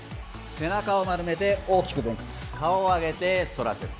背中を丸めて大きく前屈顔を上げて反らせる。